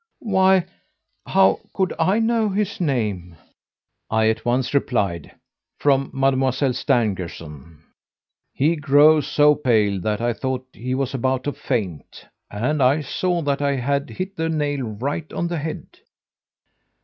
Why, how could I know his name?' "I at once replied: 'From Mademoiselle Stangerson.' "He grew so pale that I thought he was about to faint, and I saw that I had hit the nail right on the head.